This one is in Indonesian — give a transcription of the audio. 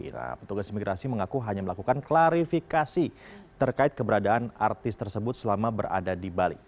nah petugas imigrasi mengaku hanya melakukan klarifikasi terkait keberadaan artis tersebut selama berada di bali